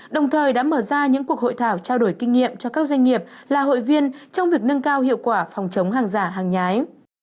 đồng thời đã mở ra những cuộc hội thảo trao đổi kinh nghiệm cho các doanh nghiệp là hội viên trong việc nâng cao hiệu quả phòng chống hàng giả hàng nhái